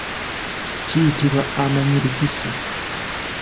Kiyitibwa amanyirikisi.